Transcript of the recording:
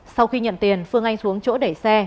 sau khi nhận tiền phương anh xuống chỗ đẩy xe